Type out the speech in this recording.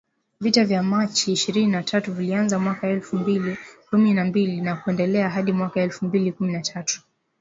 Vita vya Machi ishirini na tatu vilianza mwaka elfu mbili kumi na mbili na kuendelea hadi mwaka elfu mbili kumi na tatu